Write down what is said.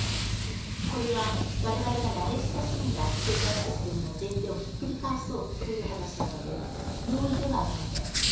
これは我々が慣れ親しんだ経済システムの前提をひっくり返そうという話なので容易ではありません。